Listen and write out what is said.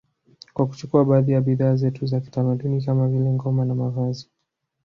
Kwa kuchukua baadhi ya bidhaa zetu za kitamaduni kama vile ngoma na mavazi